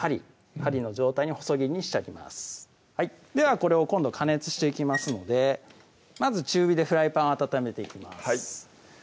針の状態に細切りにしてありますではこれを今度加熱していきますのでまず中火でフライパン温めていきます